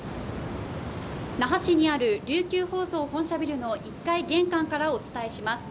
那覇市にある琉球放送本社ビルの１階玄関からお伝えします